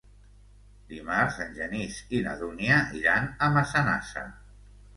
Dimarts en Genís i na Dúnia iran a Massanassa.